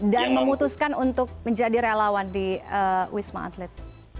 dan memutuskan untuk menjadi relawan di wisma atlet